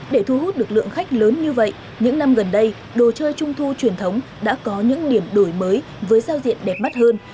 để thu hút được lượng khách lớn như vậy những năm gần đây đồ chơi trung thu truyền thống đã có những điểm đổi mới với giao diện đẹp mắt hơn